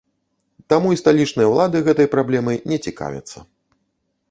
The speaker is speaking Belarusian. Таму і сталічныя ўлады гэтай праблемай не цікавяцца.